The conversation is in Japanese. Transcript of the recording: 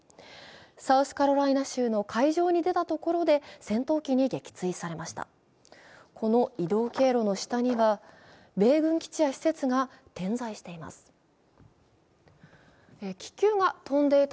サウスカロライナ州の海上に出たところで戦闘機に撃墜されました。